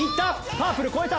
パープル越えた！